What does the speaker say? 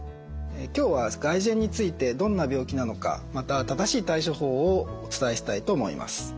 今日は外耳炎についてどんな病気なのかまた正しい対処法をお伝えしたいと思います。